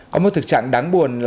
có một thực trạng đáng buồn